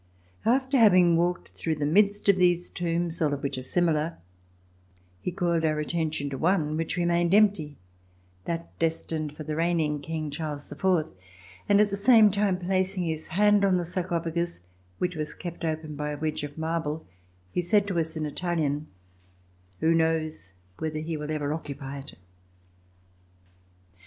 After having walked through the midst of these tombs, all of which are similar, he called our attention to one which remained empty: that destined for the reign ing King, Charles IV, and at the same time placing his hand on the sarcophagus, which was kept open by a wedge of marble, he said to us in Italian: "Who knows whether he will ever occupy it?"